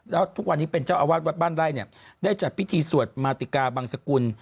แล้วทุกวันนี้เป็นเจ้าอาวาสวัดบ้านไร่เนี่ยได้จัดพิธีสวดมาติกาบังสกุล